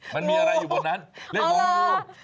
มันมีอะไรอยู่บนนั้นเรื่องของงู